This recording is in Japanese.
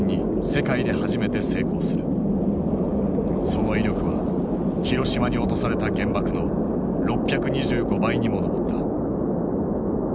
その威力は広島に落とされた原爆の６２５倍にも上った。